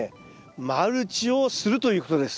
マルチをするということです。